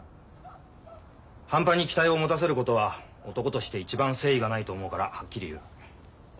半端に期待を持たせることは男として一番誠意がないと思うからはっきり言う。